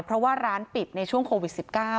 เพราะว่าร้านปิดในช่วงโควิด๑๙